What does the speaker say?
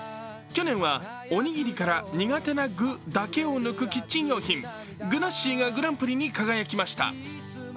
去年はおにぎりから苦手な具だけを抜くキッチン用品、グナッシーがグランプリに輝きました。